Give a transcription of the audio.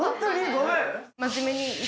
ごめん。